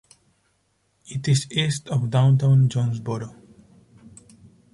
It is east of downtown Jonesboro.